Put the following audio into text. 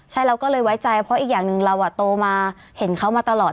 ใช่เราก็เลยไว้ใจเพราะอีกอย่างหนึ่งเราโตมาเห็นเขามาตลอด